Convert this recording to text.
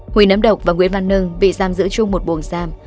huỳnh nấm độc và nguyễn văn nâng bị giam giữ chung một buồng giam